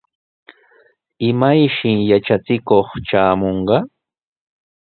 ¿Imayshi yatrachikuq traamunqa?